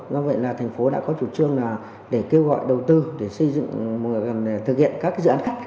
do vậy thành phố đã có chủ trương kêu gọi đầu tư để xây dựng thực hiện các dự án khác